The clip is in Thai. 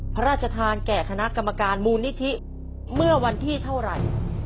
พระราชทานแก่คณะกรรมการมูลนิธิเมื่อวันที่เท่าไหร่